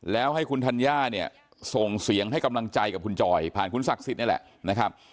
แล้วให้คุณธัญญาเนี่ยส่งเสียงให้กำลังใจกับคุณจอยผ่านคุณศักดิ์สิทธิ์นี่แหละนะครับ